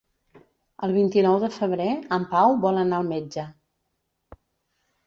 El vint-i-nou de febrer en Pau vol anar al metge.